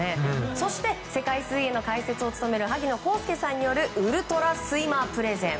そして、世界水泳の解説を務める萩野公介さんによるウルトラスイマープレゼン。